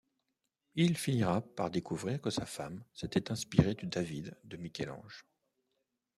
Il finira par découvrir que sa femme s'était inspiré du David de Michel-Ange...